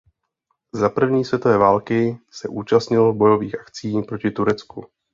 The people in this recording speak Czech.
Za první světové války se účastnil bojových akcí proti Turecku.